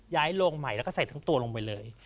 โรงใหม่แล้วก็ใส่ทั้งตัวลงไปเลย